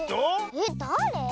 えっだれ？